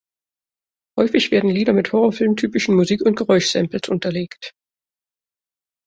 Häufig werden Lieder mit Horrorfilm-typischen Musik- und Geräusch-Samples unterlegt.